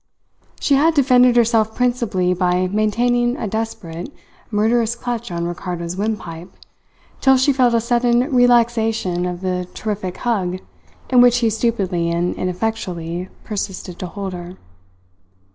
She had defended herself principally by maintaining a desperate, murderous clutch on Ricardo's windpipe, till she felt a sudden relaxation of the terrific hug in which he stupidly and ineffectually persisted to hold her.